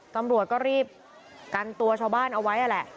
ตำรวจก็รีบกันตัวชาวบ้านเอาไว้นั่นแหละ